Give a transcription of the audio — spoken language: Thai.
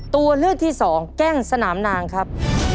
ตัวเลือกที่สองแก้งสนามนางครับ